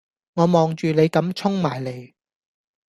我望住你咁衝埋嚟